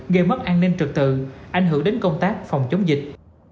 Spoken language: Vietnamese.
gây mất an ninh trực tự ảnh hưởng đến công tác phòng chống dịch